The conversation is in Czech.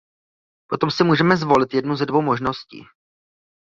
Potom si můžeme zvolit jednu ze dvou možností.